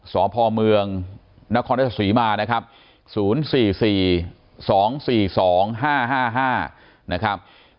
สอภอมเมืองนครตอสีมานะครับ๐๔๔๒๔๒๕๕๕นะครับ